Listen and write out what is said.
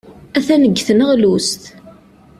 Atan deg tneɣlust.